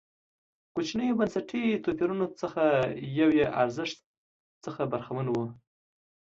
کوچنیو بنسټي توپیرونو څخه یو یې ارزښت څخه برخمن و.